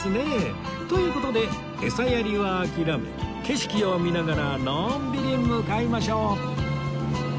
という事でエサやりは諦め景色を見ながらのんびり向かいましょう